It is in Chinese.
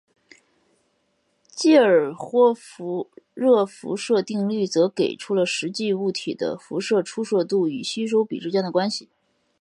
基尔霍夫热辐射定律则给出了实际物体的辐射出射度与吸收比之间的关系。